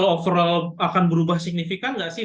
overall akan berubah signifikan nggak sih